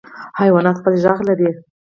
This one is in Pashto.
حیوانات خپل غږ لري.